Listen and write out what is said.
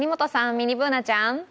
ミニＢｏｏｎａちゃん。